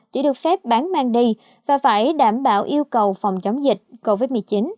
chỉ được phép bán mang đi và phải đảm bảo yêu cầu phòng chống dịch covid một mươi chín